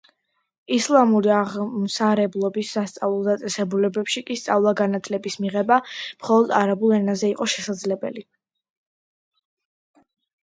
ისლამური აღმსარებლობის სასწავლო დაწესებულებებში კი სწავლა-განათლების მიღება მხოლოდ არაბულ ენაზე იყო შესაძლებელი.